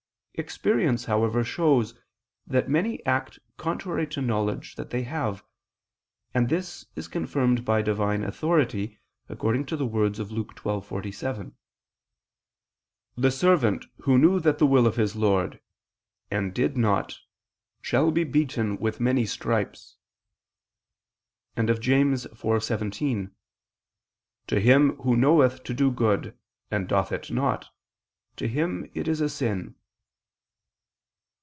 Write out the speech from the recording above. Experience, however, shows that many act contrary to the knowledge that they have, and this is confirmed by Divine authority, according to the words of Luke 12:47: "The servant who knew that the will of his lord ... and did not ... shall be beaten with many stripes," and of James 4:17: "To him ... who knoweth to do good, and doth it not, to him it is a sin."